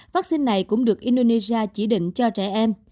vaccine này cũng được indonesia chỉ định cho trẻ em